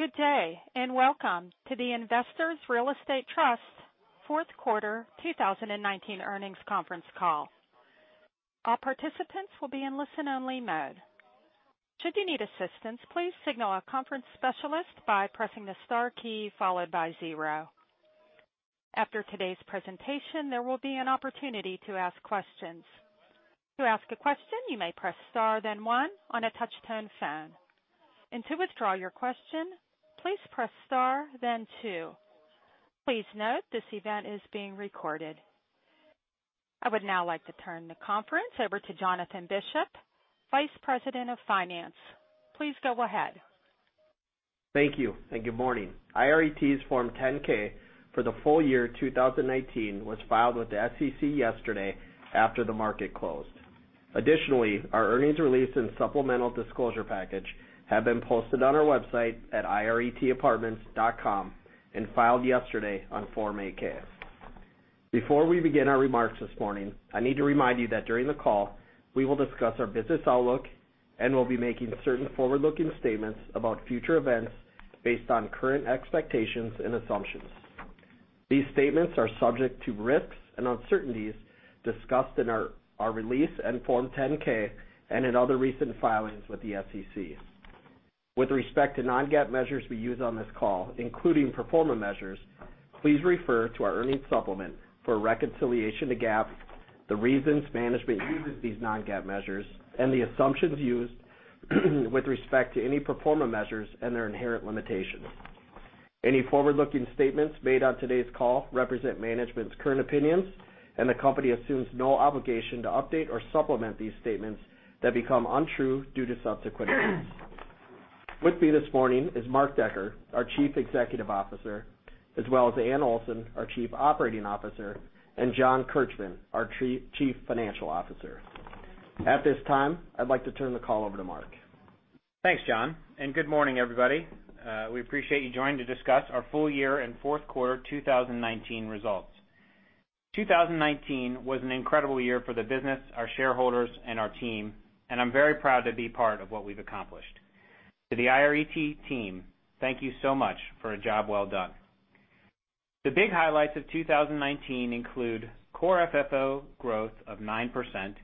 Good day, and welcome to the Investors Real Estate Trust fourth quarter 2019 earnings conference call. All participants will be in listen-only mode. Should you need assistance, please signal our conference specialist by pressing the star key followed by zero. After today's presentation, there will be an opportunity to ask questions. To ask a question, you may press star then one on a touch-tone phone. To withdraw your question, please press star then two. Please note this event is being recorded. I would now like to turn the conference over to Jonathan Bishop, Vice President of Finance. Please go ahead. Thank you, and good morning. IRET's Form 10-K for the full year 2019 was filed with the SEC yesterday after the market closed. Additionally, our earnings release and supplemental disclosure package have been posted on our website at iretapartments.com and filed yesterday on Form 8-K. Before we begin our remarks this morning, I need to remind you that during the call, we will discuss our business outlook and will be making certain forward-looking statements about future events based on current expectations and assumptions. These statements are subject to risks and uncertainties discussed in our release and Form 10-K, and in other recent filings with the SEC. With respect to non-GAAP measures we use on this call, including pro forma measures, please refer to our earnings supplement for reconciliation to GAAP, the reasons management uses these non-GAAP measures, and the assumptions used with respect to any pro forma measures and their inherent limitations. Any forward-looking statements made on today's call represent management's current opinions, and the company assumes no obligation to update or supplement these statements that become untrue due to subsequent events. With me this morning is Mark Decker, our Chief Executive Officer, as well as Anne Olson, our Chief Operating Officer, and John Kirchmann, our Chief Financial Officer. At this time, I'd like to turn the call over to Mark. Thanks, John, and good morning, everybody. We appreciate you joining to discuss our full year and fourth quarter 2019 results. 2019 was an incredible year for the business, our shareholders, and our team, and I'm very proud to be part of what we've accomplished. To the IRET team, thank you so much for a job well done. The big highlights of 2019 include Core FFO growth of 9%,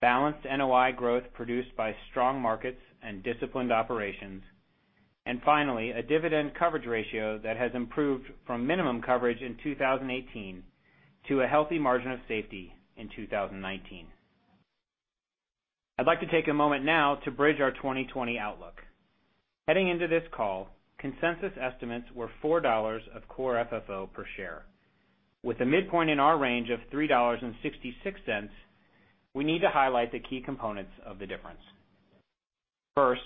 balanced NOI growth produced by strong markets and disciplined operations, and finally, a dividend coverage ratio that has improved from minimum coverage in 2018 to a healthy margin of safety in 2019. I'd like to take a moment now to bridge our 2020 outlook. Heading into this call, consensus estimates were $4 of Core FFO per share. With a midpoint in our range of $3.66, we need to highlight the key components of the difference. First,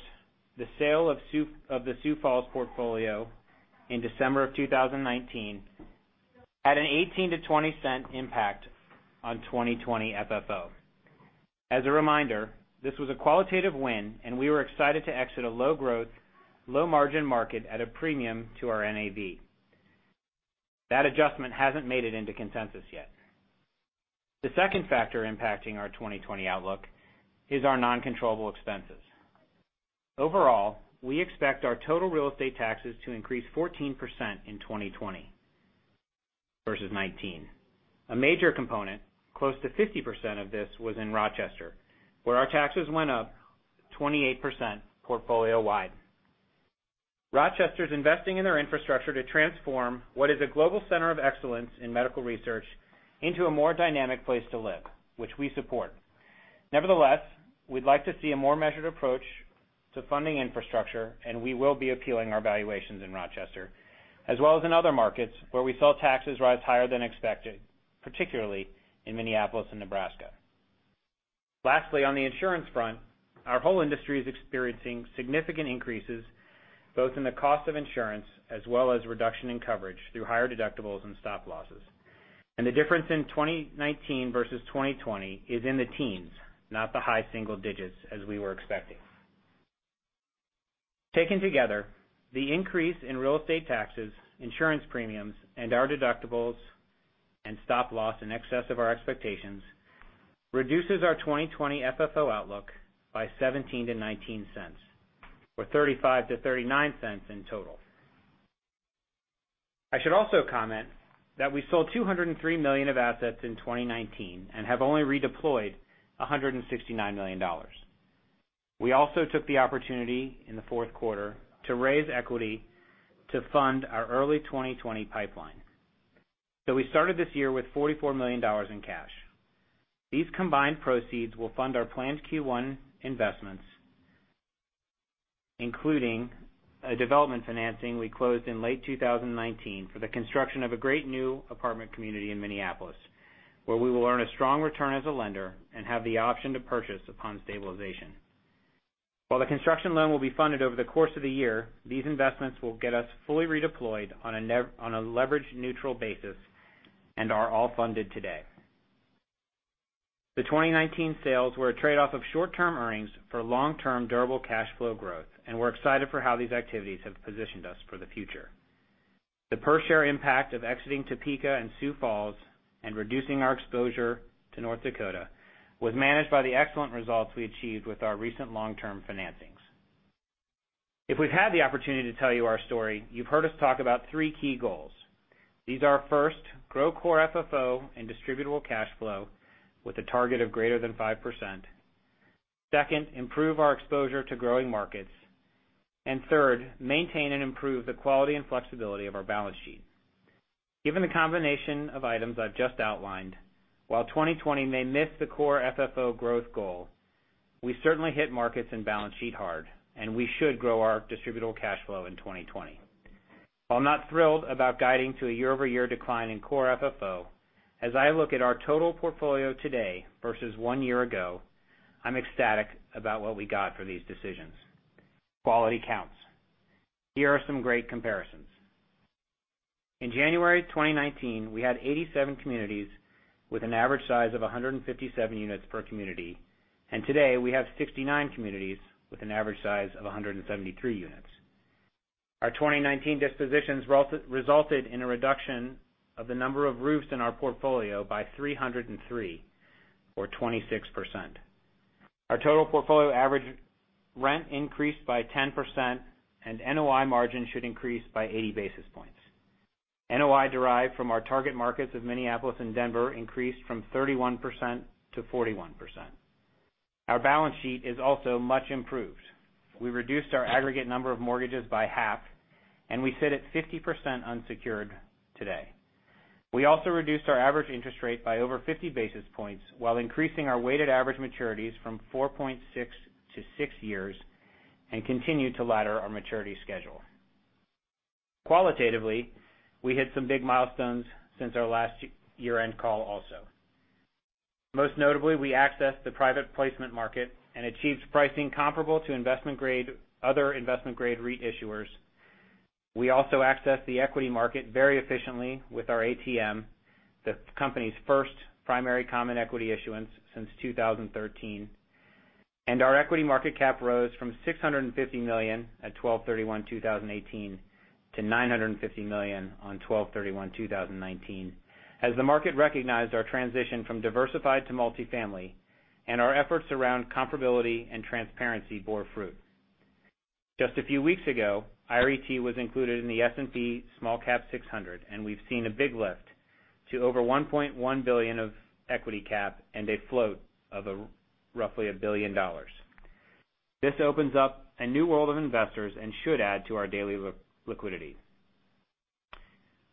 the sale of the Sioux Falls portfolio in December of 2019 had an $0.18-$0.20 impact on 2020 FFO. As a reminder, this was a qualitative win, and we were excited to exit a low-growth, low-margin market at a premium to our NAV. That adjustment hasn't made it into consensus yet. The second factor impacting our 2020 outlook is our non-controllable expenses. Overall, we expect our total real estate taxes to increase 14% in 2020 versus 2019. A major component, close to 50% of this, was in Rochester, where our taxes went up 28% portfolio-wide. Rochester's investing in their infrastructure to transform what is a global center of excellence in medical research into a more dynamic place to live, which we support. Nevertheless, we'd like to see a more measured approach to funding infrastructure, and we will be appealing our valuations in Rochester as well as in other markets where we saw taxes rise higher than expected, particularly in Minneapolis and Nebraska. Lastly, on the insurance front, our whole industry is experiencing significant increases both in the cost of insurance as well as reduction in coverage through higher deductibles and stop-losses. The difference in 2019 versus 2020 is in the teens, not the high single digits as we were expecting. Taken together, the increase in real estate taxes, insurance premiums, and our deductibles and stop-loss in excess of our expectations reduces our 2020 FFO outlook by $0.17-$0.19, or $0.35-$0.39 in total. I should also comment that we sold $203 million of assets in 2019 and have only redeployed $169 million. We also took the opportunity in the fourth quarter to raise equity to fund our early 2020 pipeline. We started this year with $44 million in cash. These combined proceeds will fund our planned Q1 investments, including a development financing we closed in late 2019 for the construction of a great new apartment community in Minneapolis, where we will earn a strong return as a lender and have the option to purchase upon stabilization. While the construction loan will be funded over the course of the year, these investments will get us fully redeployed on a leverage-neutral basis and are all funded today. The 2019 sales were a trade-off of short-term earnings for long-term durable cash flow growth. We're excited for how these activities have positioned us for the future. The per-share impact of exiting Topeka and Sioux Falls and reducing our exposure to North Dakota was managed by the excellent results we achieved with our recent long-term financings. If we've had the opportunity to tell you our story, you've heard us talk about three key goals. These are, first, grow Core FFO and distributable cash flow with a target of greater than 5%. Second, improve our exposure to growing markets. Third, maintain and improve the quality and flexibility of our balance sheet. Given the combination of items I've just outlined, while 2020 may miss the Core FFO growth goal, we certainly hit markets and balance sheet hard, and we should grow our distributable cash flow in 2020. While I'm not thrilled about guiding to a year-over-year decline in Core FFO, as I look at our total portfolio today versus one year ago, I'm ecstatic about what we got for these decisions. Quality counts. Here are some great comparisons. In January 2019, we had 87 communities with an average size of 157 units per community, and today we have 69 communities with an average size of 173 units. Our 2019 dispositions resulted in a reduction of the number of roofs in our portfolio by 303, or 26%. Our total portfolio average rent increased by 10%, and NOI margin should increase by 80 basis points. NOI derived from our target markets of Minneapolis and Denver increased from 31%-41%. Our balance sheet is also much improved. We reduced our aggregate number of mortgages by half, and we sit at 50% unsecured today. We also reduced our average interest rate by over 50 basis points while increasing our weighted average maturities from 4.6 to six years and continue to ladder our maturity schedule. Qualitatively, we hit some big milestones since our last year-end call also. Most notably, we accessed the private placement market and achieved pricing comparable to other investment-grade REIT issuers. We also accessed the equity market very efficiently with our ATM, the company's first primary common equity issuance since 2013, and our equity market cap rose from $650 million at 12/31/2018 to $950 million on 12/31/2019 as the market recognized our transition from diversified to multifamily, and our efforts around comparability and transparency bore fruit. Just a few weeks ago, IRET was included in the S&P SmallCap 600, and we've seen a big lift to over $1.1 billion of equity cap and a float of roughly $1 billion. This opens up a new world of investors and should add to our daily liquidity.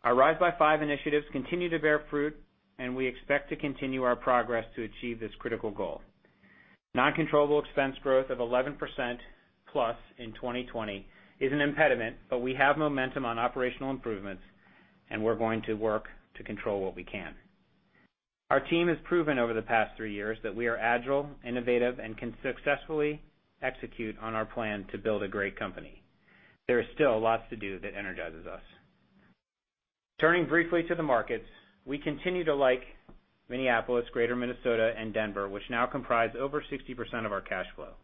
Our Rise by Five initiatives continue to bear fruit, and we expect to continue our progress to achieve this critical goal. Non-controllable expense growth of 11%+ in 2020 is an impediment, but we have momentum on operational improvements, and we're going to work to control what we can. Our team has proven over the past three years that we are agile, innovative, and can successfully execute on our plan to build a great company. There is still lots to do that energizes us. Turning briefly to the markets, we continue to like Minneapolis, Greater Minnesota, and Denver, which now comprise over 60% of our cash flow.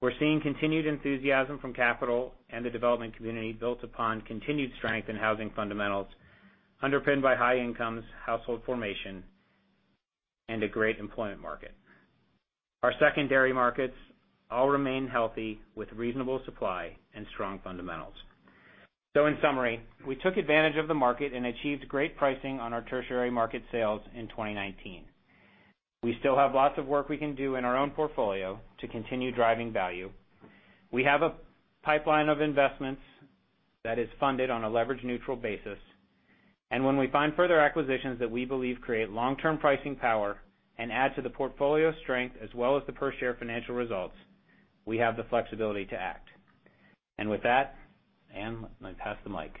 We're seeing continued enthusiasm from capital and the development community built upon continued strength in housing fundamentals underpinned by high incomes, household formation, and a great employment market. Our secondary markets all remain healthy with reasonable supply and strong fundamentals. In summary, we took advantage of the market and achieved great pricing on our tertiary market sales in 2019. We still have lots of work we can do in our own portfolio to continue driving value. We have a pipeline of investments that is funded on a leverage neutral basis, and when we find further acquisitions that we believe create long-term pricing power and add to the portfolio strength as well as the per-share financial results, we have the flexibility to act. With that, Anne, I pass the mic.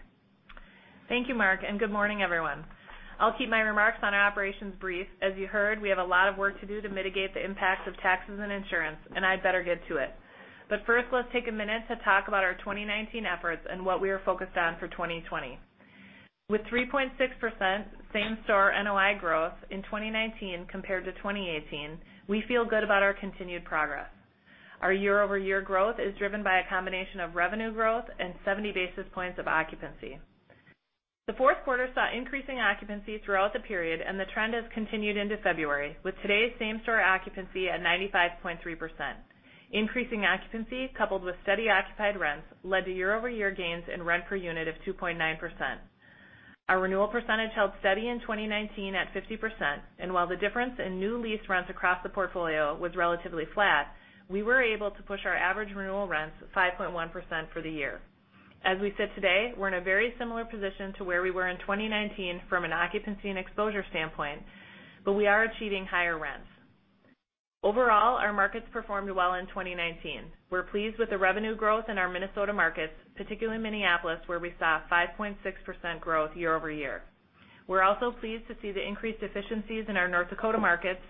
Thank you, Mark. Good morning, everyone. I'll keep my remarks on our operations brief. As you heard, we have a lot of work to do to mitigate the impact of taxes and insurance, and I'd better get to it. First, let's take a minute to talk about our 2019 efforts and what we are focused on for 2020. With 3.6% same-store NOI growth in 2019 compared to 2018, we feel good about our continued progress. Our year-over-year growth is driven by a combination of revenue growth and 70 basis points of occupancy. The fourth quarter saw increasing occupancy throughout the period, and the trend has continued into February, with today's same-store occupancy at 95.3%. Increasing occupancy, coupled with steady occupied rents, led to year-over-year gains in rent per unit of 2.9%. Our renewal percentage held steady in 2019 at 50%, and while the difference in new leased rents across the portfolio was relatively flat, we were able to push our average renewal rents 5.1% for the year. As we sit today, we're in a very similar position to where we were in 2019 from an occupancy and exposure standpoint, but we are achieving higher rents. Overall, our markets performed well in 2019. We're pleased with the revenue growth in our Minnesota markets, particularly in Minneapolis, where we saw 5.6% growth year-over-year. We're also pleased to see the increased efficiencies in our North Dakota markets.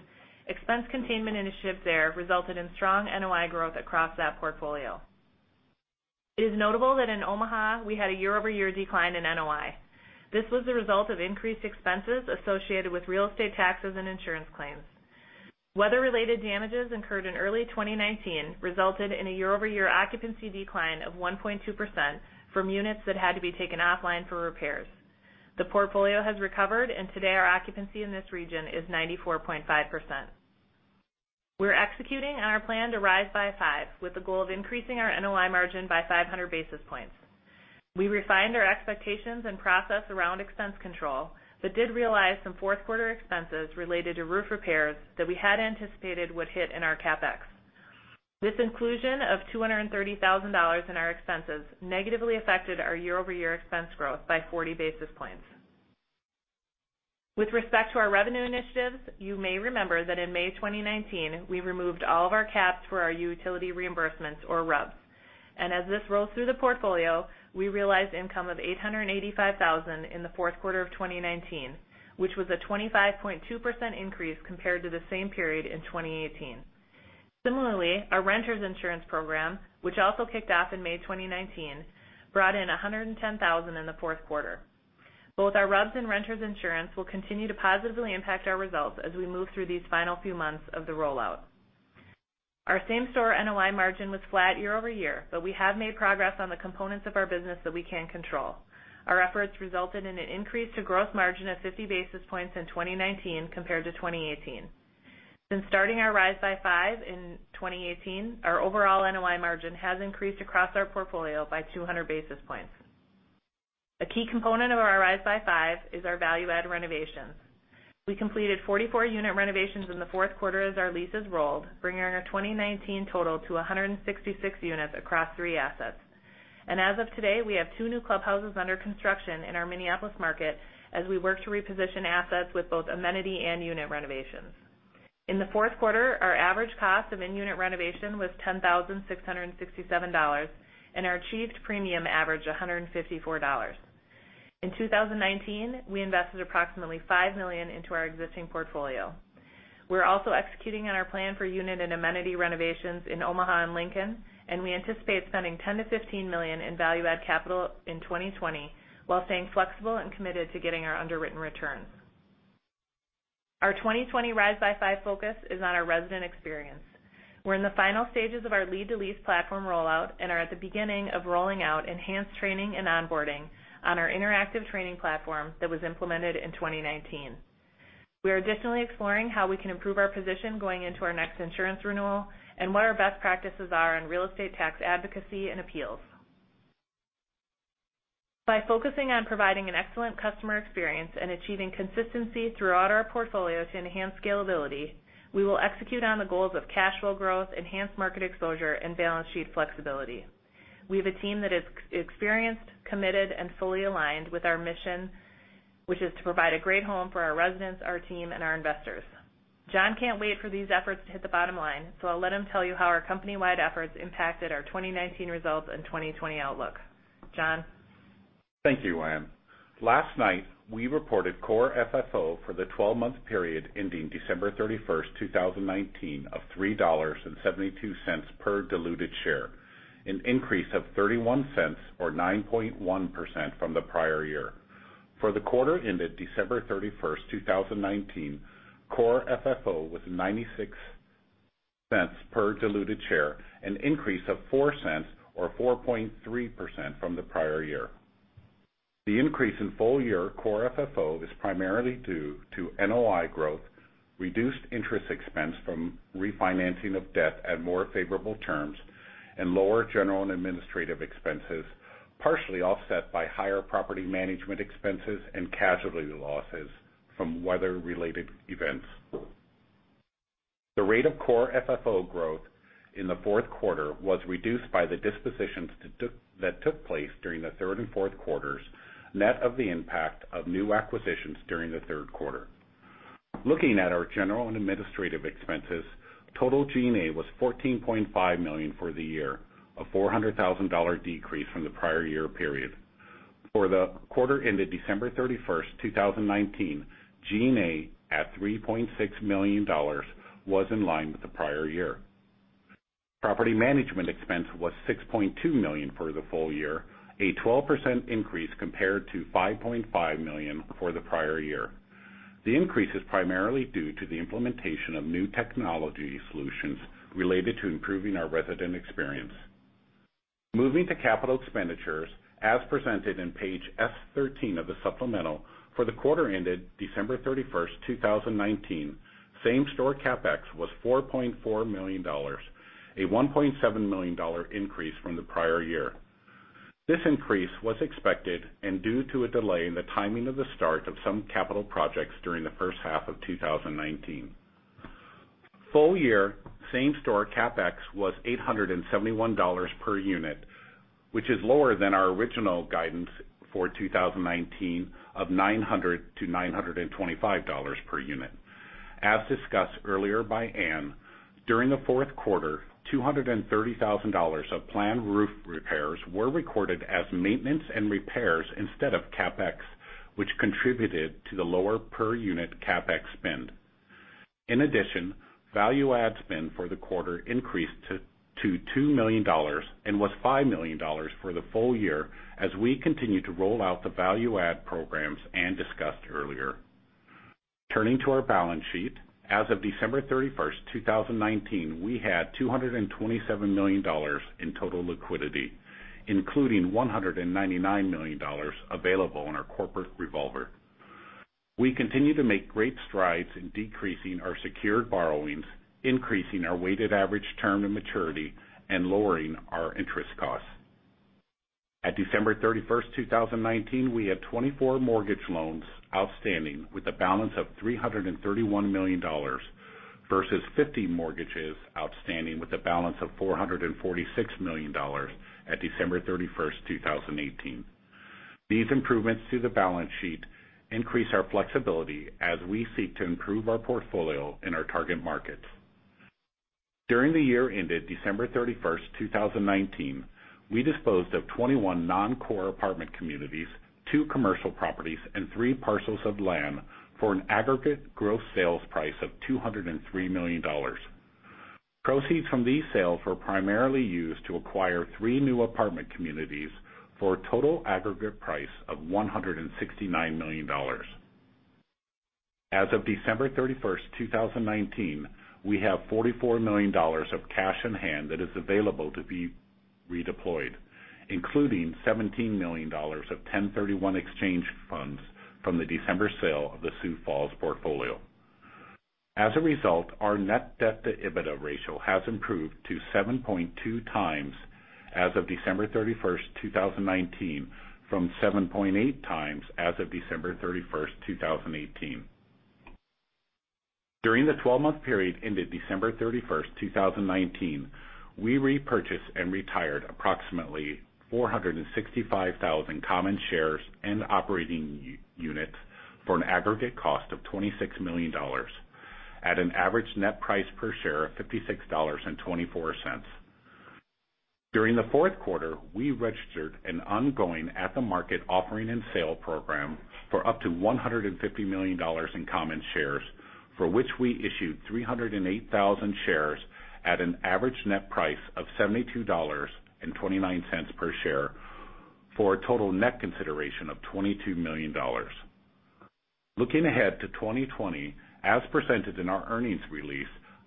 Expense containment initiatives there resulted in strong NOI growth across that portfolio. It is notable that in Omaha, we had a year-over-year decline in NOI. This was the result of increased expenses associated with real estate taxes and insurance claims. Weather-related damages incurred in early 2019 resulted in a year-over-year occupancy decline of 1.2% from units that had to be taken offline for repairs. The portfolio has recovered, and today our occupancy in this region is 94.5%. We're executing on our plan to Rise by Five, with the goal of increasing our NOI margin by 500 basis points. We refined our expectations and process around expense control, did realize some fourth quarter expenses related to roof repairs that we had anticipated would hit in our CapEx. This inclusion of $230,000 in our expenses negatively affected our year-over-year expense growth by 40 basis points. With respect to our revenue initiatives, you may remember that in May 2019, we removed all of our caps for our utility reimbursements or RUBS. As this rolls through the portfolio, we realized income of $885,000 in the fourth quarter of 2019, which was a 25.2% increase compared to the same period in 2018. Similarly, our renters insurance program, which also kicked off in May 2019, brought in $110,000 in the fourth quarter. Both our RUBS and renters insurance will continue to positively impact our results as we move through these final few months of the rollout. Our same-store NOI margin was flat year-over-year, but we have made progress on the components of our business that we can control. Our efforts resulted in an increase to gross margin of 50 basis points in 2019 compared to 2018. Since starting our Rise by Five in 2018, our overall NOI margin has increased across our portfolio by 200 basis points. A key component of our Rise by Five is our value-add renovations. We completed 44 unit renovations in the fourth quarter as our leases rolled, bringing our 2019 total to 166 units across three assets. As of today, we have two new clubhouses under construction in our Minneapolis market as we work to reposition assets with both amenity and unit renovations. In the fourth quarter, our average cost of in-unit renovation was $10,667, and our achieved premium averaged $154. In 2019, we invested approximately $5 million into our existing portfolio. We're also executing on our plan for unit and amenity renovations in Omaha and Lincoln, and we anticipate spending $10 million-$15 million in value-add capital in 2020 while staying flexible and committed to getting our underwritten returns. Our 2020 Rise by Five focus is on our resident experience. We're in the final stages of our Lead-to-Lease platform rollout and are at the beginning of rolling out enhanced training and onboarding on our interactive training platform that was implemented in 2019. We are additionally exploring how we can improve our position going into our next insurance renewal and what our best practices are in real estate tax advocacy and appeals. By focusing on providing an excellent customer experience and achieving consistency throughout our portfolio to enhance scalability, we will execute on the goals of cash flow growth, enhanced market exposure, and balance sheet flexibility. We have a team that is experienced, committed, and fully aligned with our mission, which is to provide a great home for our residents, our team, and our investors. John can't wait for these efforts to hit the bottom line, so I'll let him tell you how our company-wide efforts impacted our 2019 results and 2020 outlook. John? Thank you, Anne. Last night, we reported Core FFO for the 12-month period ending December 31st, 2019 of $3.72 per diluted share, an increase of $0.31 or 9.1% from the prior year. For the quarter ended December 31st, 2019, Core FFO was $0.96 per diluted share, an increase of $0.04 or 4.3% from the prior year. The increase in full-year Core FFO is primarily due to NOI growth, reduced interest expense from refinancing of debt at more favorable terms, and lower general and administrative expenses, partially offset by higher property management expenses and casualty losses from weather-related events. The rate of Core FFO growth in the fourth quarter was reduced by the dispositions that took place during the third and fourth quarters, net of the impact of new acquisitions during the third quarter. Looking at our general and administrative expenses, total G&A was $14.5 million for the year, a $400,000 decrease from the prior year period. For the quarter ended December 31st, 2019, G&A at $3.6 million was in line with the prior year. Property management expense was $6.2 million for the full year, a 12% increase compared to $5.5 million for the prior year. The increase is primarily due to the implementation of new technology solutions related to improving our resident experience. Moving to capital expenditures, as presented in Page S-13 of the supplemental, for the quarter ended December 31st, 2019, same store CapEx was $4.4 million, a $1.7 million increase from the prior year. This increase was expected and due to a delay in the timing of the start of some capital projects during the first half of 2019. Full-year same store CapEx was $871 per unit, which is lower than our original guidance for 2019 of $900-$925 per unit. As discussed earlier by Anne, during the fourth quarter, $230,000 of planned roof repairs were recorded as maintenance and repairs instead of CapEx, which contributed to the lower per unit CapEx spend. In addition, value add spend for the quarter increased to $2 million and was $5 million for the full year as we continue to roll out the value add programs Anne discussed earlier. Turning to our balance sheet. As of December 31st, 2019, we had $227 million in total liquidity, including $199 million available in our corporate revolver. We continue to make great strides in decreasing our secured borrowings, increasing our weighted average term to maturity, and lowering our interest costs. At December 31st, 2019, we had 24 mortgage loans outstanding with a balance of $331 million versus 50 mortgages outstanding with a balance of $446 million at December 31st, 2018. These improvements to the balance sheet increase our flexibility as we seek to improve our portfolio in our target markets. During the year ended December 31st, 2019, we disposed off 21 noncore apartment communities, two commercial properties, and three parcels of land for an aggregate gross sales price of $203 million. Proceeds from these sales were primarily used to acquire three new apartment communities for a total aggregate price of $169 million. As of December 31st, 2019, we have $44 million of cash on hand that is available to be redeployed, including $17 million of 1031 Exchange funds from the December sale of the Sioux Falls portfolio. As a result, our net debt to EBITDA ratio has improved to 7.2x as of December 31st, 2019, from 7.8x as of December 31st, 2018. During the 12-month period ended December 31st, 2019, we repurchased and retired approximately 465,000 common shares and operating units for an aggregate cost of $26 million, at an average net price per share of $56.24. During the fourth quarter, we registered an ongoing at-the-market offering and sale program for up to $150 million in common shares, for which we issued 308,000 shares at an average net price of $72.29 per share for a total net consideration of $22 million. Looking ahead to 2020, as presented in our earnings release,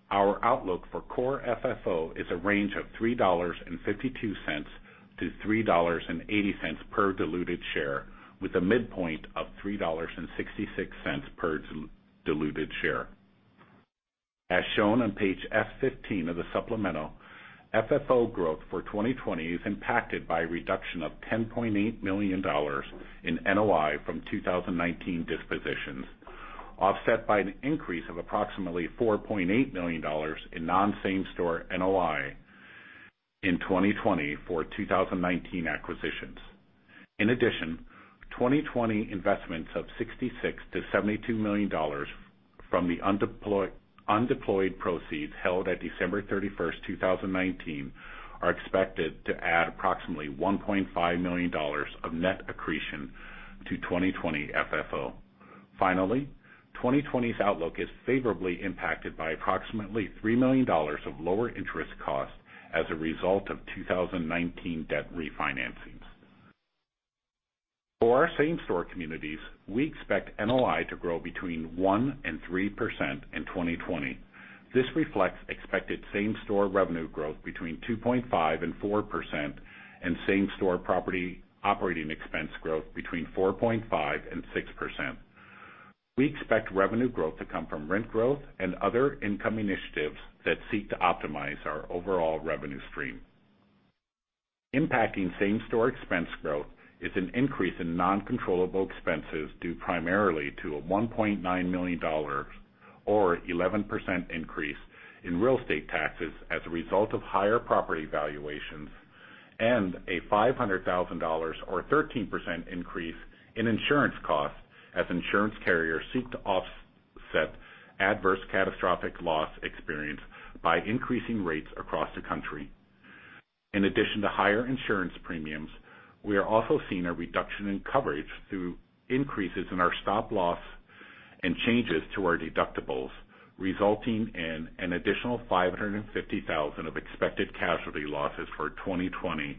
our outlook for Core FFO is a range of $3.52-$3.80 per diluted share, with a midpoint of $3.66 per diluted share. As shown on Page S-15 of the supplemental, FFO growth for 2020 is impacted by a reduction of $10.8 million in NOI from 2019 dispositions, offset by an increase of approximately $4.8 million in nonsame-store NOI in 2020 for 2019 acquisitions. 2020 investments of $66 million-$72 million from the undeployed proceeds held at December 31st, 2019, are expected to add approximately $1.5 million of net accretion to 2020 FFO. Finally, 2020's outlook is favorably impacted by approximately $3 million of lower interest costs as a result of 2019 debt refinancing. For our same-store communities, we expect NOI to grow between 1%-3% in 2020. This reflects expected same-store revenue growth between 2.5%-4%, and same-store property operating expense growth between 4.5%-6%. We expect revenue growth to come from rent growth and other income initiatives that seek to optimize our overall revenue stream. Impacting same-store expense growth is an increase in non-controllable expenses due primarily to a $1.9 million or 11% increase in real estate taxes as a result of higher property valuations and a $500,000 or 13% increase in insurance costs as insurance carriers seek to offset adverse catastrophic loss experience by increasing rates across the country. In addition to higher insurance premiums, we are also seeing a reduction in coverage through increases in our stop-loss and changes to our deductibles, resulting in an additional $550,000 of expected casualty losses for 2020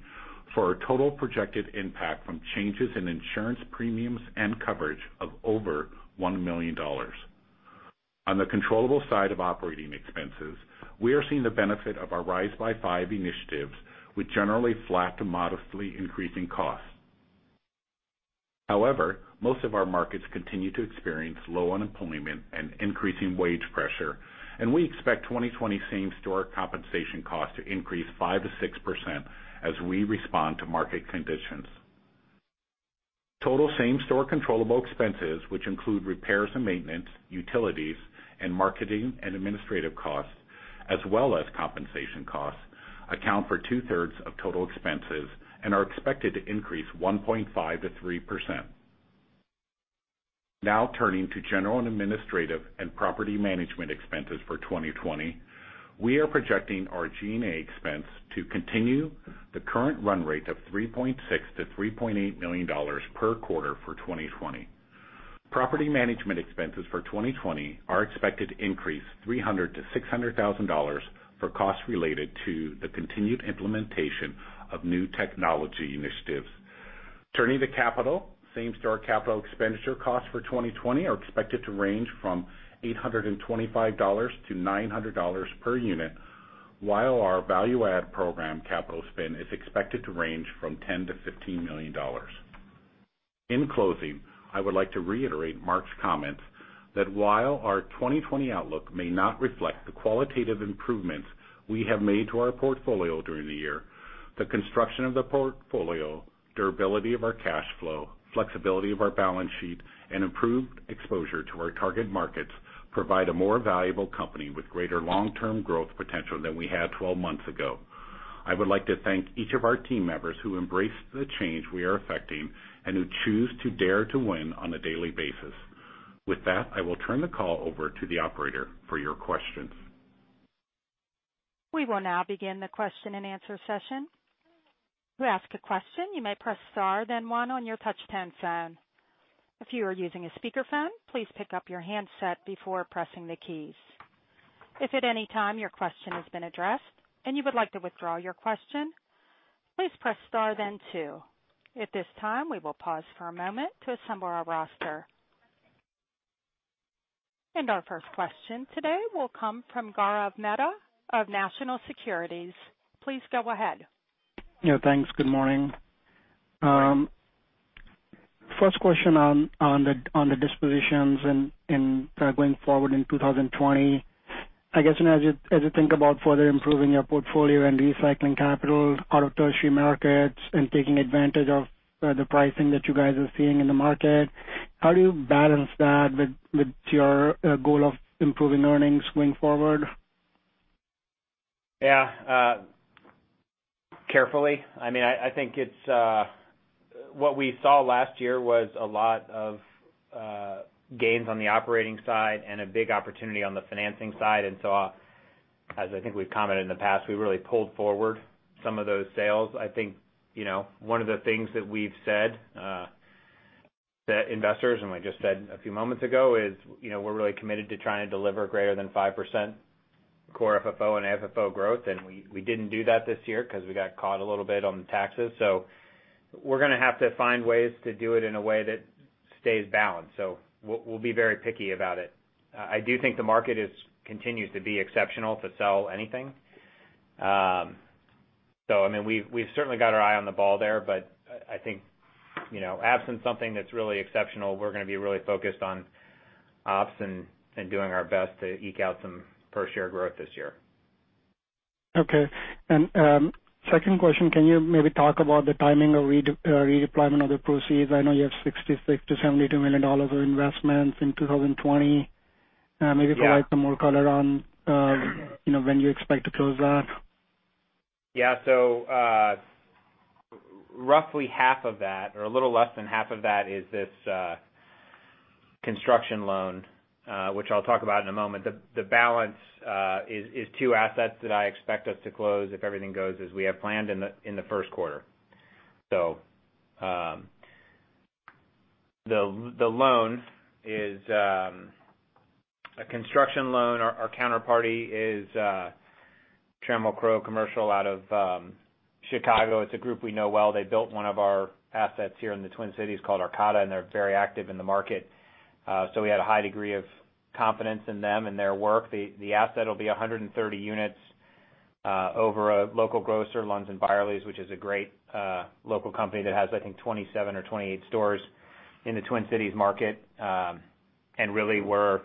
for a total projected impact from changes in insurance premiums and coverage of over $1 million. On the controllable side of operating expenses, we are seeing the benefit of our Rise by Five initiatives with generally flat to modestly increasing costs. However, most of our markets continue to experience low unemployment and increasing wage pressure, and we expect 2020 same-store compensation costs to increase 5%-6% as we respond to market conditions. Total same-store controllable expenses, which include repairs and maintenance, utilities, and marketing and administrative costs, as well as compensation costs, account for 2/3 of total expenses and are expected to increase 1.5%-3%. Now turning to General and Administrative and property management expenses for 2020. We are projecting our G&A expense to continue the current run rate of $3.6 million-$3.8 million per quarter for 2020. Property management expenses for 2020 are expected to increase $300,000-$600,000 for costs related to the continued implementation of new technology initiatives. Turning to capital, same-store capital expenditure costs for 2020 are expected to range from $825-$900 per unit, while our value add program capital spend is expected to range from $10 million-$15 million. In closing, I would like to reiterate Mark's comments that while our 2020 outlook may not reflect the qualitative improvements we have made to our portfolio during the year, the construction of the portfolio, durability of our cash flow, flexibility of our balance sheet, and improved exposure to our target markets provide a more valuable company with greater long-term growth potential than we had 12 months ago. I would like to thank each of our team members who embrace the change we are effecting and who choose to dare to win on a daily basis. With that, I will turn the call over to the operator for your questions. We will now begin the question and answer session. To ask a question, you may press star, then one on your touch-tone phone. If you are using a speakerphone, please pick up your handset before pressing the keys. If at any time your question has been addressed and you would like to withdraw your question, please press star then two. At this time, we will pause for a moment to assemble our roster. Our first question today will come from Gaurav Mehta of National Securities. Please go ahead. Yeah, thanks. Good morning. First question on the dispositions and going forward in 2020. I guess as you think about further improving your portfolio and recycling capital out of tertiary markets and taking advantage of the pricing that you guys are seeing in the market, how do you balance that with your goal of improving earnings going forward? Yeah. Carefully. I think what we saw last year was a lot of gains on the operating side and a big opportunity on the financing side. As I think we've commented in the past, we really pulled forward some of those sales. I think one of the things that we've said to investors, and we just said a few moments ago, is we're really committed to trying to deliver greater than 5% Core FFO and AFFO growth. We didn't do that this year because we got caught a little bit on the taxes. We're going to have to find ways to do it in a way that stays balanced. We'll be very picky about it. I do think the market continues to be exceptional to sell anything. We've certainly got our eye on the ball there, but I think, absent something that's really exceptional, we're going to be really focused on ops and doing our best to eke out some per-share growth this year. Okay. Second question, can you maybe talk about the timing of redeployment of the proceeds? I know you have $66 million-$72 million of investments in 2020. Maybe provide some more color on when you expect to close that. Yeah. Roughly half of that, or a little less than half of that is this construction loan, which I'll talk about in a moment. The balance is two assets that I expect us to close if everything goes as we have planned in the first quarter. The loan is a construction loan. Our counterparty is Trammell Crow commercial out of Chicago. It's a group we know well. They built one of our assets here in the Twin Cities called Arcata, and they're very active in the market. We had a high degree of confidence in them and their work. The asset will be 130 units over a local grocer, Lunds & Byerlys, which is a great local company that has, I think, 27 or 28 stores in the Twin Cities market, and really we're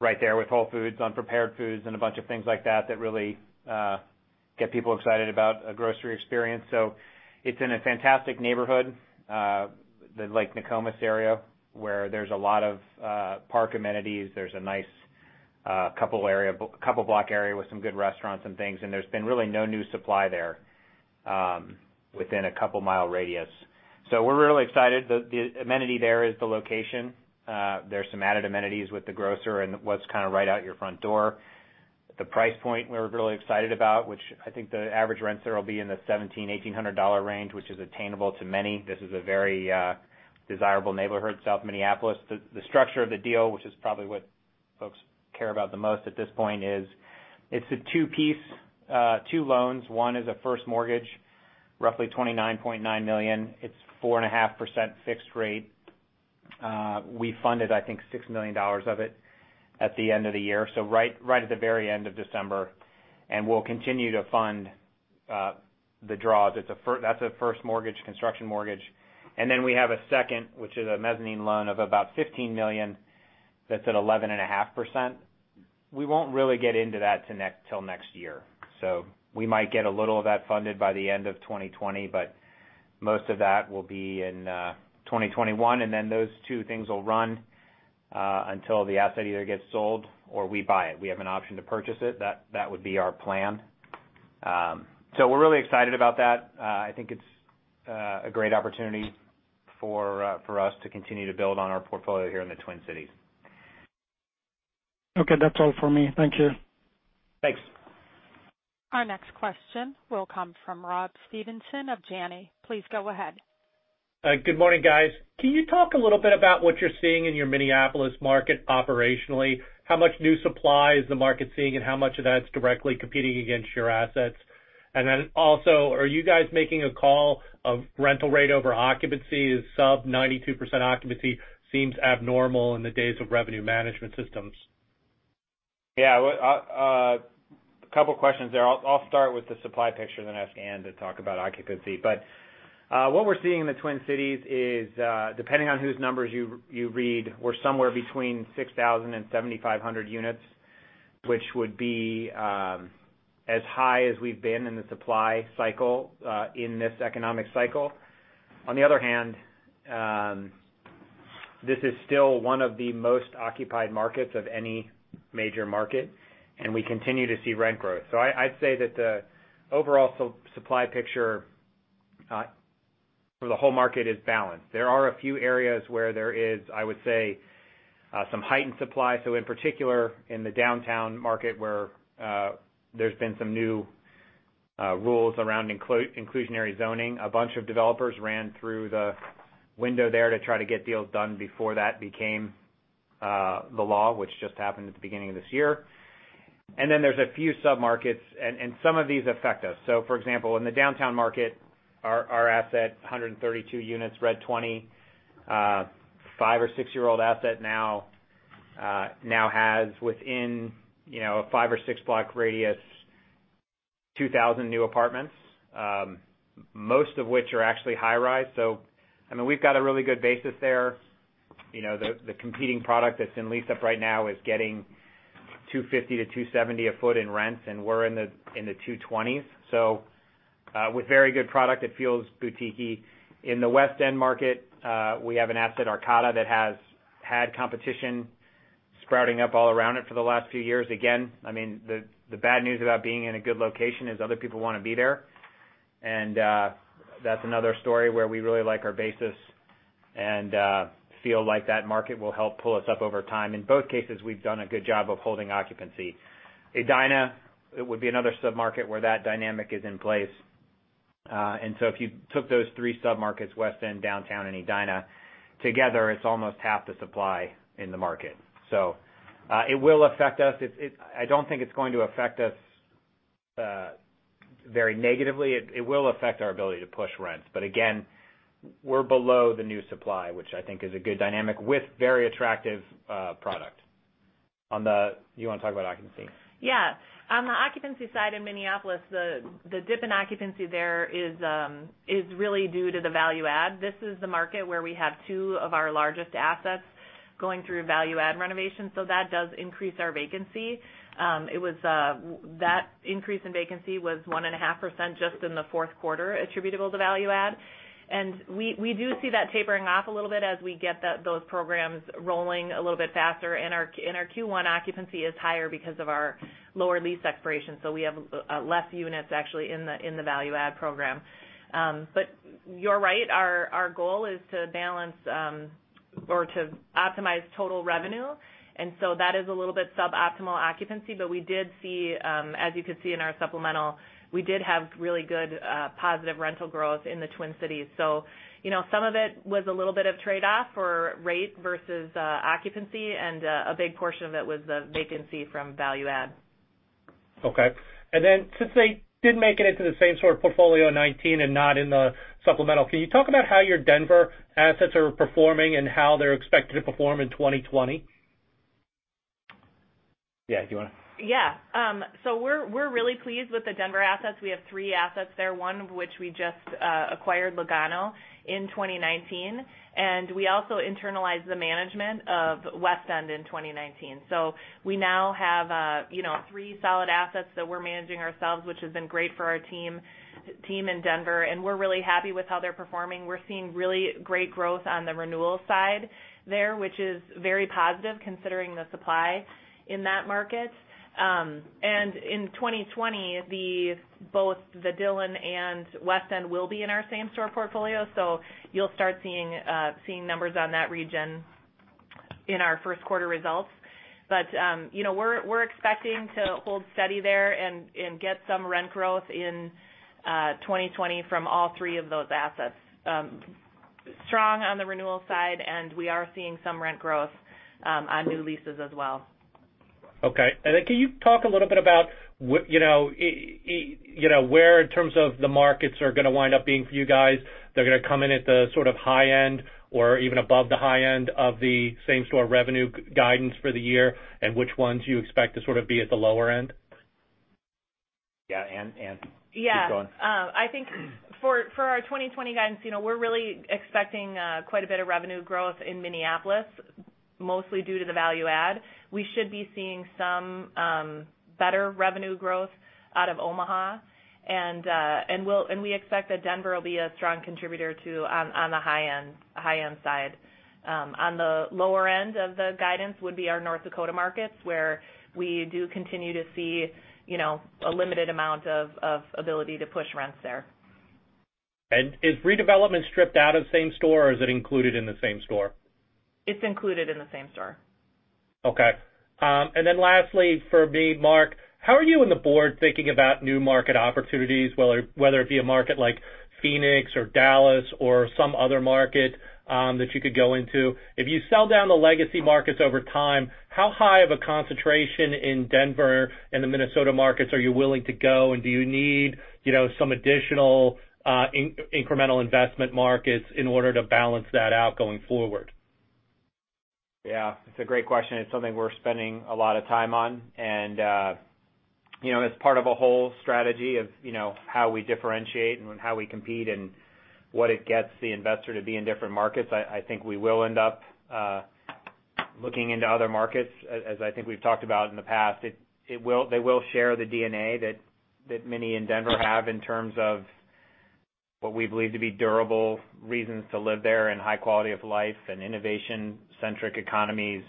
right there with Whole Foods on prepared foods and a bunch of things like that really get people excited about a grocery experience. It's in a fantastic neighborhood, the Lake Nokomis area, where there's a lot of park amenities. There's a nice couple block area with some good restaurants and things, and there's been really no new supply there within a couple of mile radius. We're really excited. The amenity there is the location. There's some added amenities with the grocer and what's kind of right out your front door. The price point we're really excited about, which I think the average rents there will be in the $1,700-$1,800 range, which is attainable to many. This is a very desirable neighborhood, South Minneapolis. The structure of the deal, which is probably what folks care about the most at this point, is it's a two-piece, two loans. One is a first mortgage, roughly $29.9 million. It's 4.5% fixed rate. We funded, I think, $6 million of it at the end of the year, right at the very end of December. We'll continue to fund the draws. That's a first mortgage, construction mortgage. We have a second, which is a mezzanine loan of about $15 million that's at 11.5%. We won't really get into that till next year. We might get a little of that funded by the end of 2020, but most of that will be in 2021, and then those two things will run until the asset either gets sold or we buy it. We have an option to purchase it. That would be our plan. We're really excited about that. I think it's a great opportunity for us to continue to build on our portfolio here in the Twin Cities. Okay. That's all for me. Thank you. Thanks. Our next question will come from Rob Stevenson of Janney. Please go ahead. Good morning, guys. Can you talk a little bit about what you're seeing in your Minneapolis market operationally? How much new supply is the market seeing, and how much of that's directly competing against your assets? Then also, are you guys making a call of rental rate over occupancy as sub 92% occupancy seems abnormal in the days of revenue management systems? A couple of questions there. I'll start with the supply picture then ask Anne to talk about occupancy. What we're seeing in the Twin Cities is, depending on whose numbers you read, we're somewhere between 6,000 units and 7,500 units, which would be as high as we've been in the supply cycle in this economic cycle. On the other hand, this is still one of the most occupied markets of any major market, and we continue to see rent growth. I'd say that the overall supply picture for the whole market is balanced. There are a few areas where there is, I would say, some heightened supply. In particular, in the downtown market, where there's been some new rules around inclusionary zoning. A bunch of developers ran through the window there to try to get deals done before that became the law, which just happened at the beginning of this year. There's a few sub-markets, and some of these affect us. For example, in the downtown market, our asset, 132 units, Red20, five or six-year-old asset now has within a five or six-block radius, 2,000 new apartments, most of which are actually high-rise. We've got a really good basis there. The competing product that's in lease-up right now is getting $2.50-$2.70 a foot in rents, and we're in the $2.20s. With very good product, it feels boutique-ee. In the West End market, we have an asset, Arcata, that has had competition sprouting up all around it for the last few years. The bad news about being in a good location is other people want to be there. That's another story where we really like our basis and feel like that market will help pull us up over time. In both cases, we've done a good job of holding occupancy. Edina, it would be another sub-market where that dynamic is in place. If you took those three sub-markets, West End, Downtown, and Edina together, it's almost half the supply in the market. It will affect us. I don't think it's going to affect us very negatively. It will affect our ability to push rents. Again, we're below the new supply, which I think is a good dynamic with very attractive product. Anne, do you want to talk about occupancy? Yeah. On the occupancy side in Minneapolis, the dip in occupancy there is really due to the value add. This is the market where we have two of our largest assets going through value add renovations, so that does increase our vacancy. That increase in vacancy was 1.5% just in the fourth quarter attributable to value add. We do see that tapering off a little bit as we get those programs rolling a little bit faster, and our Q1 occupancy is higher because of our lower lease expirations, so we have less units actually in the value add program. But you're right, our goal is to balance or to optimize total revenue, and so that is a little bit suboptimal occupancy, but as you could see in our supplemental, we did have really good positive rental growth in the Twin Cities. Some of it was a little bit of trade-off for rate versus occupancy, and a big portion of it was the vacancy from value add. Okay. Then since they didn't make it into the same sort of portfolio in 2019 and not in the supplemental, can you talk about how your Denver assets are performing and how they're expected to perform in 2020? Yeah, do you want?. Yeah. We're really pleased with the Denver assets. We have three assets there, one of which we just acquired, Lugano, in 2019, and we also internalized the management of West End in 2019. We now have three solid assets that we're managing ourselves, which has been great for our team in Denver, and we're really happy with how they're performing. We're seeing really great growth on the renewal side there, which is very positive considering the supply in that market. In 2020, both The Dylan and West End will be in our same-store portfolio, so you'll start seeing numbers on that region in our first quarter results. We're expecting to hold steady there and get some rent growth in 2020 from all three of those assets. Strong on the renewal side, we are seeing some rent growth on new leases as well. Okay. Can you talk a little bit about where, in terms of the markets, are going to wind up being for you guys? They're going to come in at the sort of high end or even above the high end of the same-store revenue guidance for the year, and which ones you expect to sort of be at the lower end? Yeah. Anne, keep going. Yeah. I think for our 2020 guidance, we're really expecting quite a bit of revenue growth in Minneapolis, mostly due to the value add. We should be seeing some better revenue growth out of Omaha, and we expect that Denver will be a strong contributor too on the high-end side. On the lower end of the guidance would be our North Dakota markets, where we do continue to see a limited amount of ability to push rents there. Is redevelopment stripped out of same store, or is it included in the same store? It's included in the same store. Okay. Lastly for me, Mark, how are you and the board thinking about new market opportunities, whether it be a market like Phoenix or Dallas or some other market that you could go into? If you sell down the legacy markets over time, how high of a concentration in Denver and the Minnesota markets are you willing to go? Do you need some additional incremental investment markets in order to balance that out going forward? Yeah, it's a great question. It's something we're spending a lot of time on, and it's part of a whole strategy of how we differentiate and how we compete and what it gets the investor to be in different markets. I think we will end up looking into other markets, as I think we've talked about in the past. They will share the DNA that Mini in Denver have in terms of what we believe to be durable reasons to live there and high quality of life and innovation-centric economies.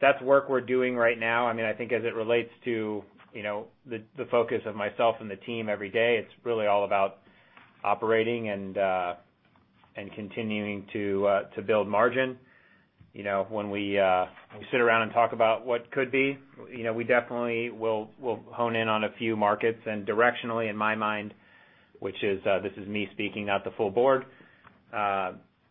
That's work we're doing right now. I think as it relates to the focus of myself and the team every day, it's really all about operating and continuing to build margin. When we sit around and talk about what could be, we definitely will hone in on a few markets and directionally in my mind, which this is me speaking, not the full board.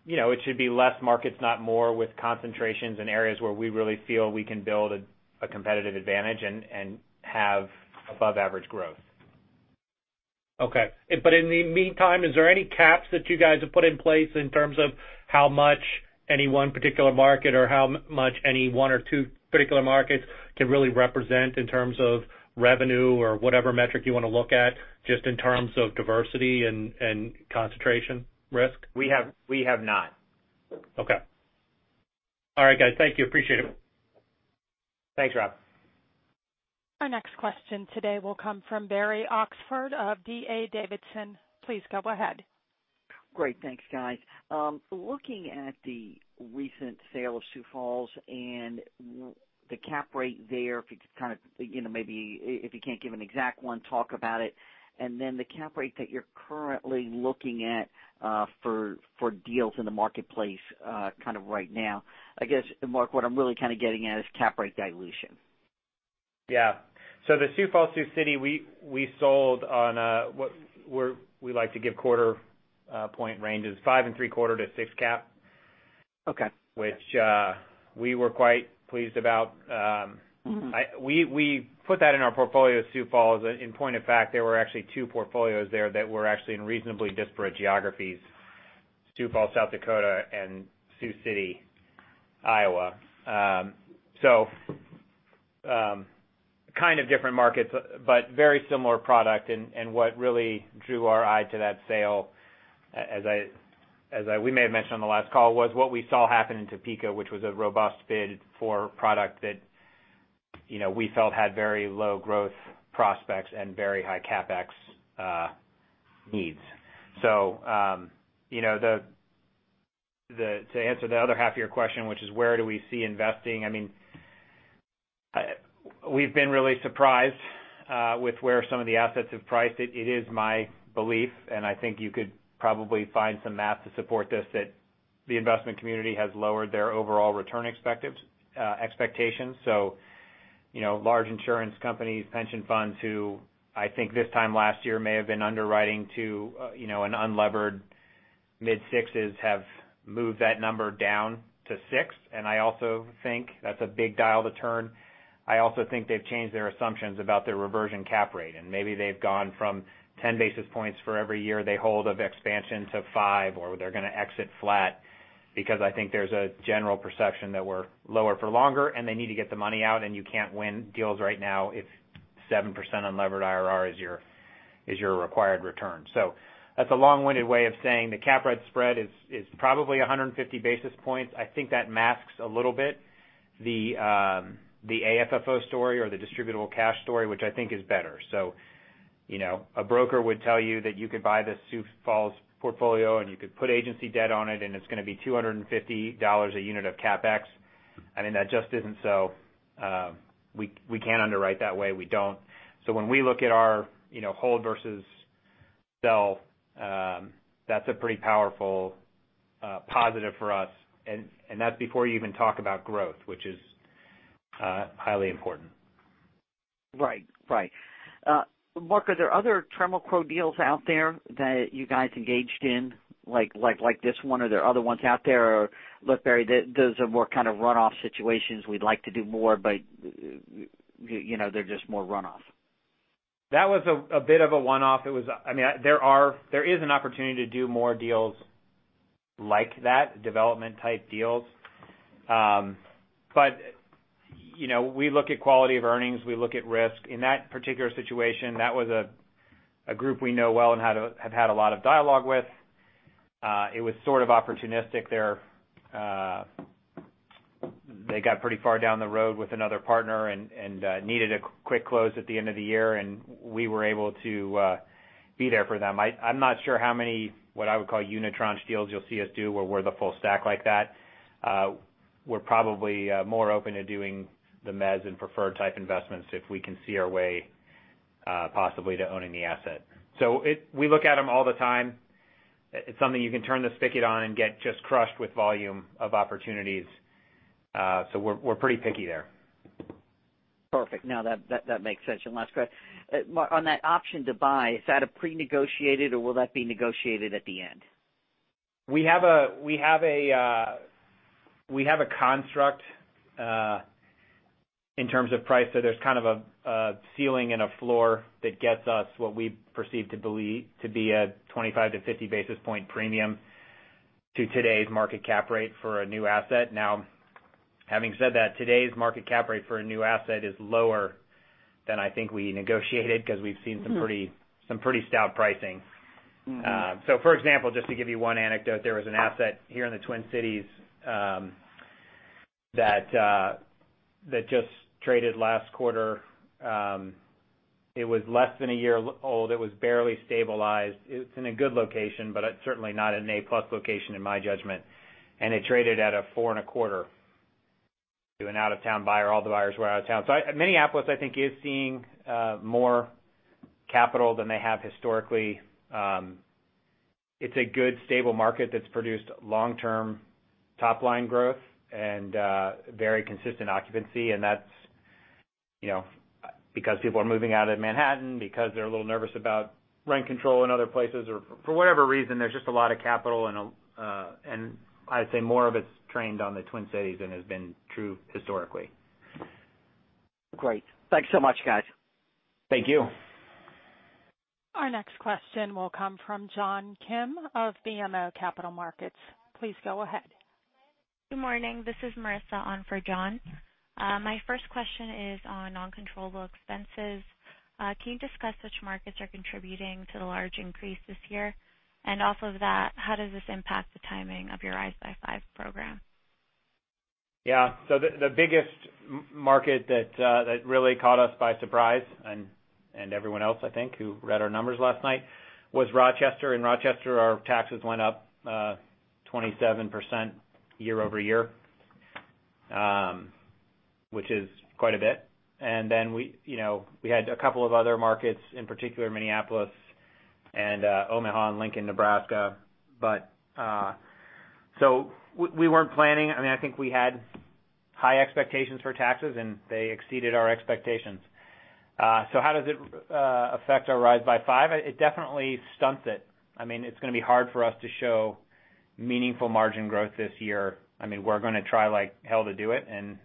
It should be less markets, not more, with concentrations in areas where we really feel we can build a competitive advantage and have above average growth. Okay. But in the meantime, is there any caps that you guys have put in place in terms of how much any one particular market or how much any one or two particular markets can really represent in terms of revenue or whatever metric you want to look at, just in terms of diversity and concentration risk? We have not. Okay. All right, guys. Thank you. Appreciate it. Thanks, Rob. Our next question today will come from Barry Oxford of D.A. Davidson. Please go ahead. Great. Thanks, guys. Looking at the recent sale of Sioux Falls and the cap rate there, maybe if you can't give an exact one, talk about it. Then, the cap rate that you're currently looking at for deals in the marketplace right now. I guess, Mark, what I'm really kind of getting at is cap rate dilution. Yeah. The Sioux Falls, Sioux City, we sold we like to give quarter point ranges, 5.75%-6% cap. Okay. Which we were quite pleased about. We put that in our portfolio, Sioux Falls. In point of fact, there were actually two portfolios there that were actually in reasonably disparate geographies, Sioux Falls, South Dakota, and Sioux City, Iowa. Kind of different markets, but very similar product. What really drew our eye to that sale, as we may have mentioned on the last call, was what we saw happen in Topeka, which was a robust bid for product that we felt had very low growth prospects and very high CapEx needs. To answer the other half of your question, which is where do we see investing, I mean, we've been really surprised with where some of the assets have priced. It is my belief, and I think you could probably find some math to support this, that the investment community has lowered their overall return expectations. Large insurance companies, pension funds, who I think this time last year may have been underwriting to an unlevered mid-six, have moved that number down to six. I also think that's a big dial to turn. I also think they've changed their assumptions about their reversion cap rate, and maybe they've gone from 10 basis points for every year they hold of expansion to five, or they're going to exit flat, because I think there's a general perception that we're lower for longer, and they need to get the money out, and you can't win deals right now if 7% unlevered IRR is your required return. That's a long-winded way of saying the cap rate spread is probably 150 basis points. I think that masks a little bit the AFFO story or the distributable cash story, which I think is better. A broker would tell you that you could buy the Sioux Falls portfolio, and you could put agency debt on it, and it's going to be $250 a unit of CapEx. That just isn't so. We can't underwrite that way. We don't. When we look at our hold versus sell, that's a pretty powerful positive for us. That's before you even talk about growth, which is highly important. Right. Mark, are there other Trammell Crow deals out there that you guys engaged in, like this one? Are there other ones out there? Look, Barry, those are more kind of runoff situations. We'd like to do more, but they're just more runoff. That was a bit of a one-off. There is an opportunity to do more deals like that, development-type deals. We look at quality of earnings. We look at risk. In that particular situation, that was a group we know well and have had a lot of dialogue with. It was sort of opportunistic. They got pretty far down the road with another partner and needed a quick close at the end of the year, and we were able to be there for them. I'm not sure how many, what I would call uni-tranche deals you'll see us do, where we're the full stack like that. We're probably more open to doing the mezz and preferred type investments if we can see our way possibly to owning the asset. We look at them all the time. It's something you can turn the spigot on and get just crushed with volume of opportunities. We're pretty picky there. Perfect. No, that makes sense. Last question. On that option to buy, is that a pre-negotiated or will that be negotiated at the end? We have a construct in terms of price, there's kind of a ceiling and a floor that gets us what we perceive to be a 25-50 basis point premium to today's market cap rate for a new asset. Having said that, today's market cap rate for a new asset is lower than I think we negotiated because we've seen some pretty stout pricing. For example, just to give you one anecdote, there was an asset here in the Twin Cities that just traded last quarter. It was less than one year old. It was barely stabilized. It's in a good location, but it's certainly not an A+ location in my judgment. It traded at a 4.25% to an out-of-town buyer. All the buyers were out of town. Minneapolis, I think, is seeing more capital than they have historically. It's a good stable market that's produced long-term top-line growth and very consistent occupancy. That's because people are moving out of Manhattan, because they're a little nervous about rent control in other places or for whatever reason. There's just a lot of capital, and I'd say more of it's trained on the Twin Cities than has been true historically. Great. Thanks so much, guys. Thank you. Our next question will come from John Kim of BMO Capital Markets. Please go ahead. Good morning. This is Marissa on for John. My first question is on non-controllable expenses. Can you discuss which markets are contributing to the large increase this year? Off of that, how does this impact the timing of your Rise by Five program? Yeah. The biggest market that really caught us by surprise and everyone else, I think, who read our numbers last night, was Rochester. In Rochester, our taxes went up 27% year-over-year, which is quite a bit. Then, we had a couple of other markets, in particular Minneapolis and Omaha and Lincoln, Nebraska. So we weren't planning. I think we had high expectations for taxes, and they exceeded our expectations. How does it affect our Rise by Five? It definitely stunts it. It's going to be hard for us to show meaningful margin growth this year. We're going to try like hell to do it, and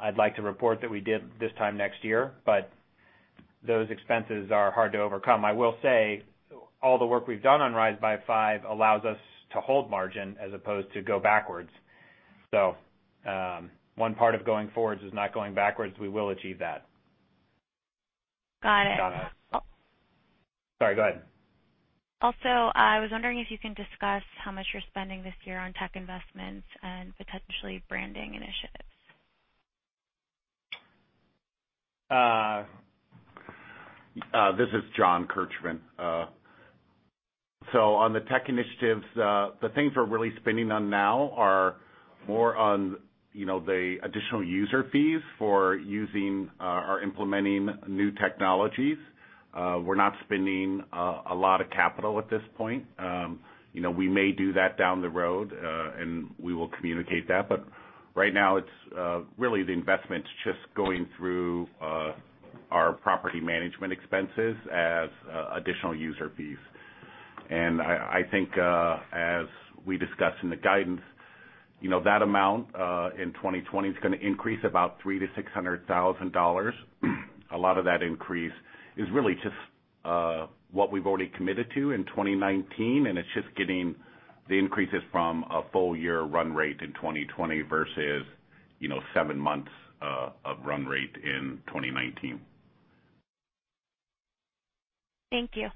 I'd like to report that we did this time next year, but those expenses are hard to overcome. I will say, all the work we've done on Rise by 5 allows us to hold margin as opposed to go backwards. One part of going forwards is not going backwards. We will achieve that. Got it. Sorry, go ahead. I was wondering if you can discuss how much you're spending this year on tech investments and potentially branding initiatives. This is John Kirchmann. On the tech initiatives, the things we're really spending on now are more on the additional user fees for using or implementing new technologies. We're not spending a lot of capital at this point. We may do that down the road, and we will communicate that, but right now, really the investment's just going through our property management expenses as additional user fees. I think, as we discussed in the guidance, that amount, in 2020, is going to increase about $300,000-$600,000. A lot of that increase is really just what we've already committed to in 2019, and it's just getting the increases from a full-year run rate in 2020 versus seven months of run rate in 2019. Thank you.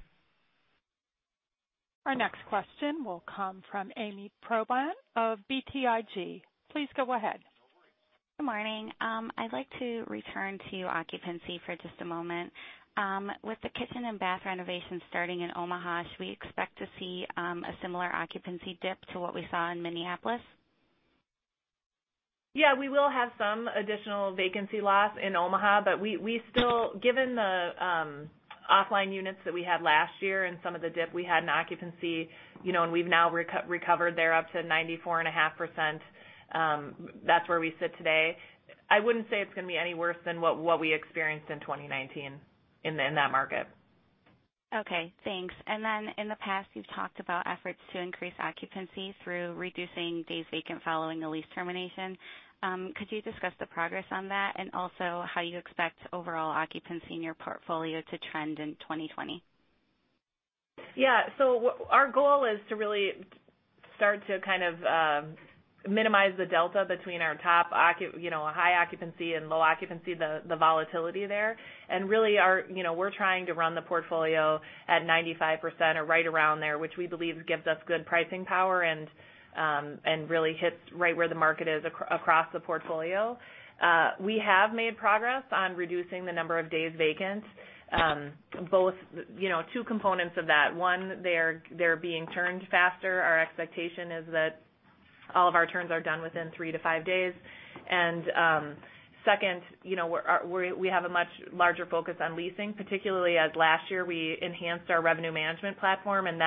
Our next question will come from Ami Probandt of BTIG. Please go ahead. Good morning. I'd like to return to occupancy for just a moment. With the kitchen and bath renovations starting in Omaha, should we expect to see a similar occupancy dip to what we saw in Minneapolis? Yeah, we will have some additional vacancy loss in Omaha, but given the offline units that we had last year and some of the dip we had in occupancy, and we've now recovered there up to 94.5%, that's where we sit today. I wouldn't say it's going to be any worse than what we experienced in 2019 in that market. Okay, thanks. In the past, you've talked about efforts to increase occupancy through reducing days vacant following a lease termination. Could you discuss the progress on that and also how you expect overall occupancy in your portfolio to trend in 2020? Yeah. Our goal is to really start to kind of minimize the delta between our high occupancy and low occupancy, the volatility there. Really, we're trying to run the portfolio at 95% or right around there, which we believe gives us good pricing power and really hits right where the market is across the portfolio. We have made progress on reducing the number of days vacant. Two components of that. One, they're being turned faster. Our expectation is that All of our turns are done within three to five days. Second, we have a much larger focus on leasing, particularly as last year we enhanced our revenue management platform and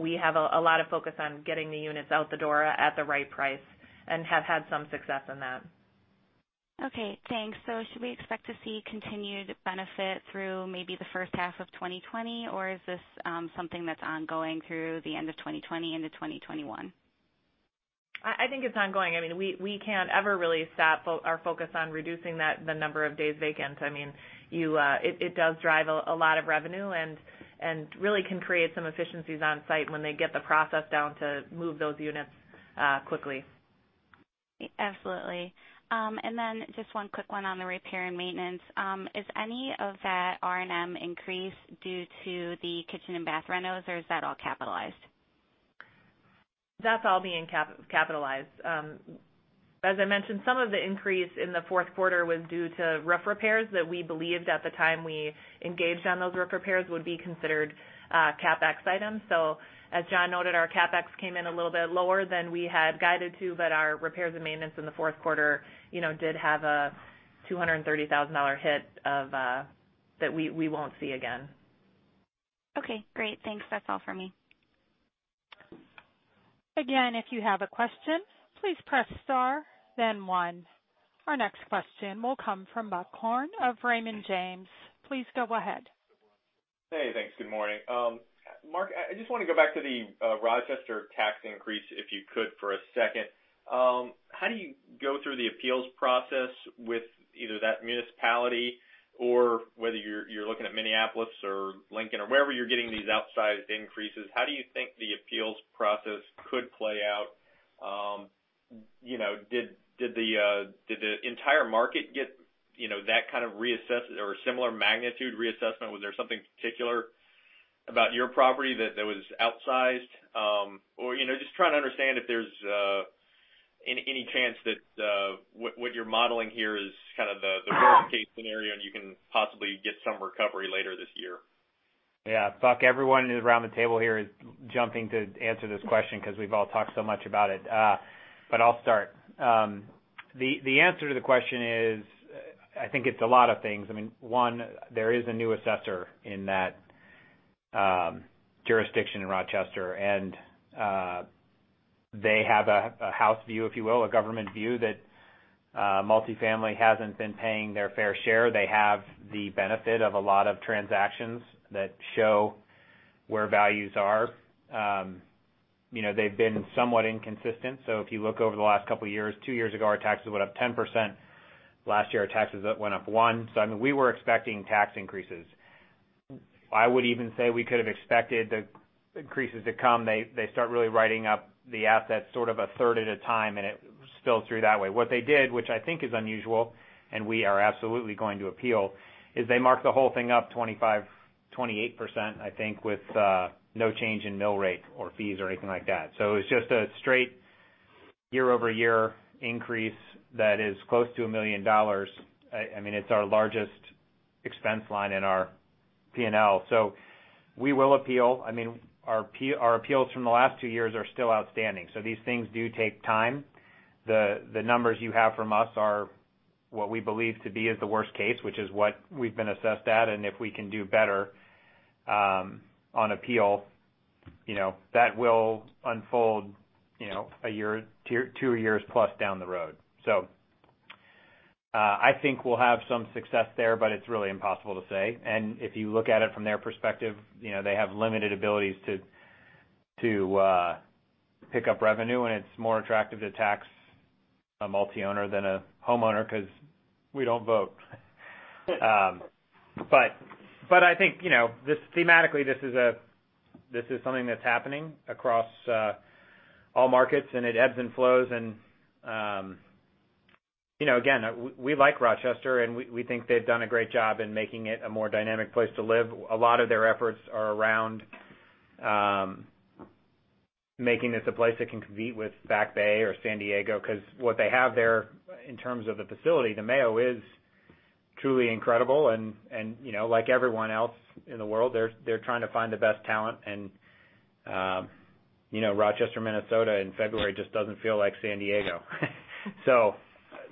we have a lot of focus on getting the units out the door at the right price, and have had some success in that. Okay, thanks. Should we expect to see continued benefit through maybe the first half of 2020? Is this something that's ongoing through the end of 2020 into 2021? I think it's ongoing. I mean, we can't ever really stop our focus on reducing the number of days vacant. It does drive a lot of revenue and really can create some efficiencies on site when they get the process down to move those units quickly. Absolutely. Then, just one quick one on the repair and maintenance. Is any of that R&M increase due to the kitchen and bath renos, or is that all capitalized? That's all being capitalized. As I mentioned, some of the increase in the fourth quarter was due to roof repairs that we believed at the time we engaged on those roof repairs would be considered CapEx items. As John noted, our CapEx came in a little bit lower than we had guided to, but our repairs and maintenance in the fourth quarter did have a $230,000 hit that we won't see again. Okay, great. Thanks. That's all for me. Again, if you have a question, please press star then one. Our next question will come from Buck Horne of Raymond James. Please go ahead. Hey, thanks. Good morning. Mark, I just want to go back to the Rochester tax increase, if you could, for a second. How do you go through the appeals process with either that municipality or whether you're looking at Minneapolis or Lincoln or wherever you're getting these outsized increases, how do you think the appeals process could play out? Did the entire market get that kind of reassess or similar magnitude reassessment? Was there something particular about your property that was outsized? Just trying to understand if there's any chance that what you're modeling here is kind of the worst-case scenario and you can possibly get some recovery later this year. Buck, everyone around the table here is jumping to answer this question because we've all talked so much about it. I'll start. The answer to the question is, I think it's a lot of things. One, there is a new assessor in that jurisdiction in Rochester, and they have a house view, if you will, a government view that multifamily hasn't been paying their fair share. They have the benefit of a lot of transactions that show where values are. They've been somewhat inconsistent. If you look over the last couple of years, two years ago, our taxes went up 10%. Last year, our taxes went up 1%. We were expecting tax increases. I would even say we could have expected the increases to come. They start really writing up the assets sort of a third at a time, and it spilled through that way. What they did, which I think is unusual, and we are absolutely going to appeal, is they marked the whole thing up 25%-28%, I think, with no change in mill rate or fees or anything like that. It was just a straight year-over-year increase that is close to $1 million. It's our largest expense line in our P&L. We will appeal. Our appeals from the last two years are still outstanding, so these things do take time. The numbers you have from us are what we believe to be is the worst case, which is what we've been assessed at, and if we can do better on appeal, that will unfold a year, two years plus down the road. I think we'll have some success there, but it's really impossible to say. If you look at it from their perspective, they have limited abilities to pick up revenue, and it's more attractive to tax a multi owner than a homeowner because we don't vote. But I think thematically, this is something that's happening across all markets, and it ebbs and flows, again, we like Rochester, and we think they've done a great job in making it a more dynamic place to live. A lot of their efforts are around making this a place that can compete with Back Bay or San Diego, because what they have there in terms of the facility, the Mayo, is truly incredible, and like everyone else in the world, they're trying to find the best talent, and Rochester, Minnesota in February just doesn't feel like San Diego.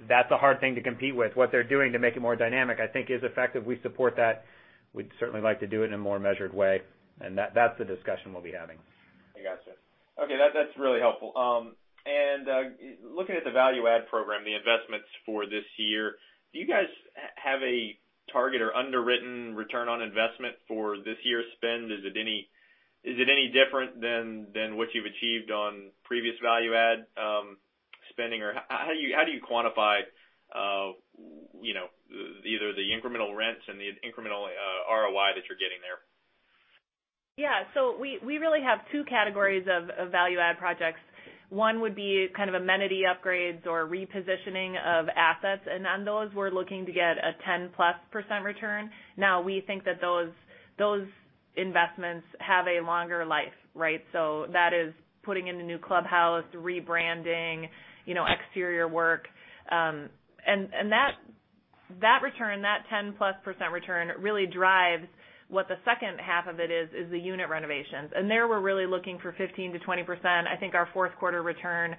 That's a hard thing to compete with. What they're doing to make it more dynamic, I think is effective. We support that. We'd certainly like to do it in a more measured way. That's the discussion we'll be having. I got you. Okay. That's really helpful. Looking at the value add program, the investments for this year, do you guys have a target or underwritten return on investment for this year's spend? Is it any different than what you've achieved on previous value add spending? How do you quantify either the incremental rents and the incremental ROI that you're getting there? Yeah. We really have two categories of value add projects. One would be kind of amenity upgrades or repositioning of assets. On those, we're looking to get a 10%+ return. Now, we think that those investments have a longer life, right? That is putting in a new clubhouse, rebranding, exterior work. That return, that 10%+ return, really drives what the second half of it is the unit renovations. There, we're really looking for 15%-20%. I think our fourth quarter return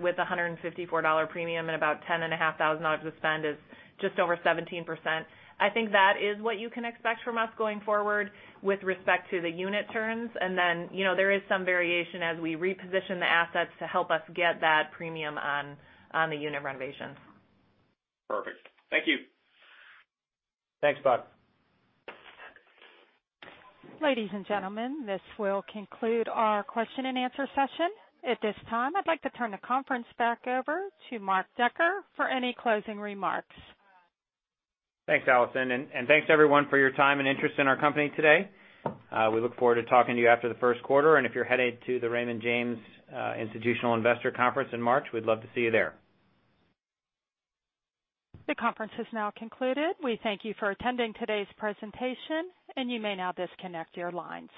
with $154 premium and about $10,500 of spend is just over 17%. I think that is what you can expect from us going forward with respect to the unit turns. There is some variation as we reposition the assets to help us get that premium on the unit renovations. Perfect. Thank you. Thanks, Buck. Ladies and gentlemen, this will conclude our question and answer session. At this time, I'd like to turn the conference back over to Mark Decker for any closing remarks. Thanks, Allison. Thanks everyone for your time and interest in our company today. We look forward to talking to you after the first quarter, and if you're headed to the Raymond James Institutional Investors Conference in March, we'd love to see you there. The conference has now concluded. We thank you for attending today's presentation, and you may now disconnect your lines.